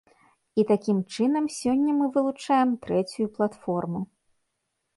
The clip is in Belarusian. І такім чынам сёння мы вылучаем трэцюю платформу.